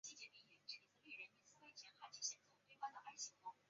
大部分现代衬线体的可读性不及旧体和过渡体衬线体。